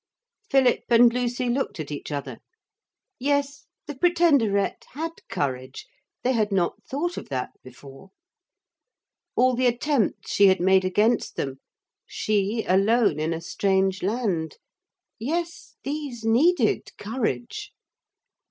Philip and Lucy looked at each other. Yes, the Pretenderette had courage: they had not thought of that before. All the attempts she had made against them she alone in a strange land yes, these needed courage.